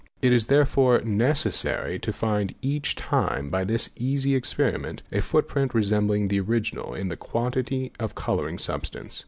It is therefore necessary to fir d each time, by this easy experiment, a footprint resembling the original in the quantity of colouring substance